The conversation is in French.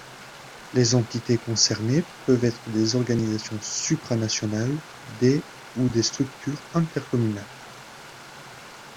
Les entités concernées peuvent être des organisations supranationales, des ou des structures intercommunales.